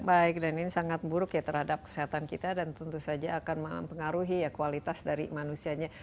baik dan ini sangat buruk ya terhadap kesehatan kita dan tentu saja akan mempengaruhi ya kualitas dari manusianya